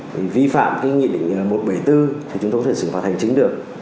vì vi phạm cái nghị định một trăm bảy mươi bốn thì chúng tôi có thể xử phạt hành chính được